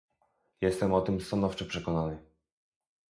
Jestem o tym stanowczo przekonany